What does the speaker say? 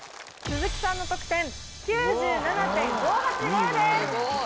鈴木さんの得点９７．５８０です。